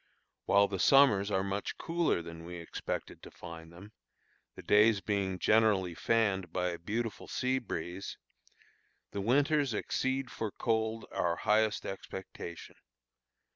While the summers are much cooler than we expected to find them, the days being generally fanned by a beautiful sea breeze, the winters exceed for cold our highest expectation.